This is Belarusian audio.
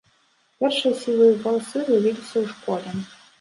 Першыя сівыя валасы з'явіліся ў школе.